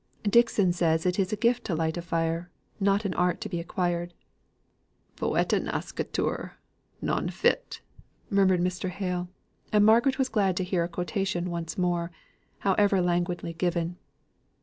"Dixon says it is a gift to light a fire; not an art to be acquired." "Poeta nascitur, non fit," murmured Mr. Hale; and Margaret was glad to hear a quotation once more, however languidly given.